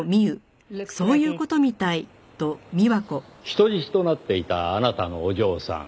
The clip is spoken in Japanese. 人質となっていたあなたのお嬢さん。